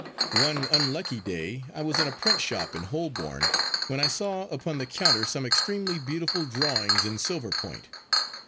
One unlucky day I was in a print shop in Holborn, when I saw upon the counter some extremely beautiful drawings in silver point.